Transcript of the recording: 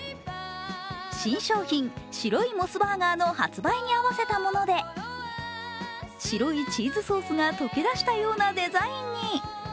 新商品白いモスバーガーの発売に合わせたもので、白いチーズソースが溶け出したようなデザインに。